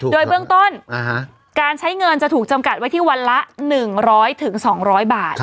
โดยเบื้องต้นการใช้เงินจะถูกจำกัดไว้ที่วันละ๑๐๐๒๐๐บาท